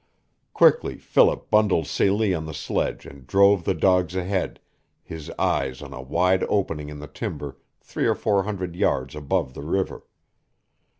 Quickly Philip bundled Celie on the sledge and drove the dogs ahead, his eyes on a wide opening in the timber three or four hundred yards above the river.